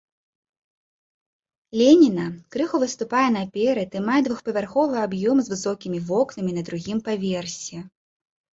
Леніна, крыху выступае наперад і мае двухпавярховы аб'ём з высокімі вокнамі на другім паверсе.